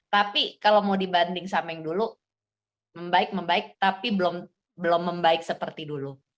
tapi kalau mau dibanding sama yang dulu membaik membaik tapi belum membaik seperti dulu